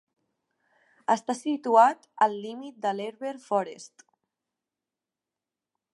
Està situat al límit del Herber Forest.